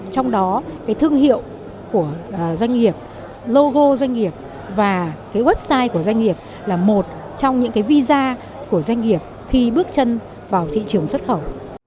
trong đó cái thương hiệu của doanh nghiệp logo doanh nghiệp và cái website của doanh nghiệp là một trong những cái visa của doanh nghiệp khi bước chân vào thị trường xuất khẩu